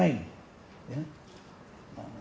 jangan dia pakai main main